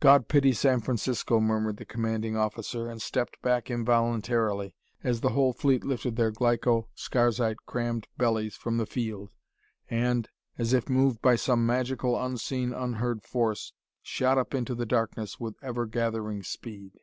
"God pity San Francisco!" murmured the Commanding Officer, and stepped back involuntarily as the whole fleet lifted their glyco scarzite crammed bellies from the field and, as if moved by some magical, unseen, unheard force, shot up into the darkness with ever gathering speed.